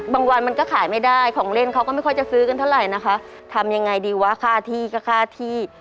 วันมันก็ขายไม่ได้ของเล่นเขาก็ไม่ค่อยจะซื้อกันเท่าไหร่นะคะทำยังไงดีวะค่าที่ก็ค่าที่